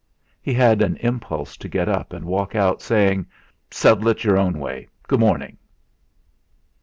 He had an impulse to get up and walk out, saying: "Settle it your own way. Good morning."